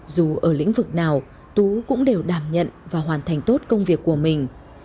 dù ở lĩnh vực nào tú cũng đều đảm nhận và hoàn thành tốt công việc của mình